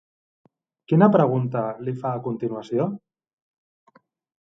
Quina pregunta li fa, a continuació?